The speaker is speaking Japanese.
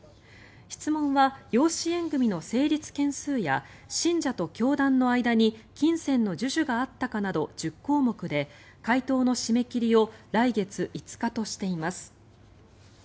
質問は養子縁組の成立件数や信者と教団の間に金銭の授受があったかなど１０項目で回答の締め切りを来月５日としています。